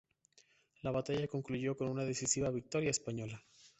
La batalla concluyó con una decisiva victoria española.